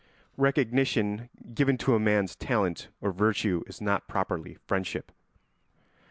Recognition given to a man's talent or virtue is not properly friendship.